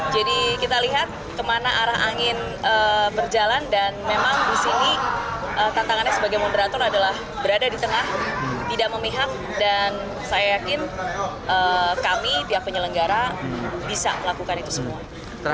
jadi kita lihat kemana arah angin berjalan dan memang di sini tantangannya sebagai moderator adalah berada di tengah tidak memihak dan saya yakin kami pihak penyelenggara bisa melakukan itu semua